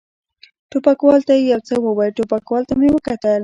ټوپکوال ته یې یو څه وویل، ټوپکوال ته مې کتل.